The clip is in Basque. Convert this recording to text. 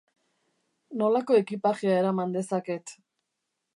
Nolako ekipajea eraman dezaket?